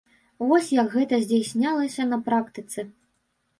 Вось як гэта здзяйснялася на практыцы.